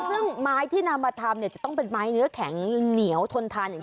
ซึ่งไม้ที่นำมาทำเนี่ยจะต้องเป็นไม้เนื้อแข็งเหนียวทนทานอย่าง